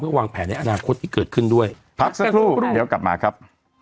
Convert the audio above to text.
วางแผนในอนาคตที่เกิดขึ้นด้วยพักสักครู่เดี๋ยวกลับมาครับ